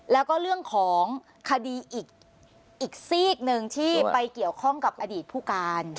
แล้วก็เรื่องของคดีอีกซีกหนึ่งที่ไปเกี่ยวข้องกับอดีตผู้การ